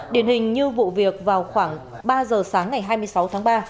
điển hình như vụ việc vào khoảng ba giờ sáng ngày hai mươi sáu tháng ba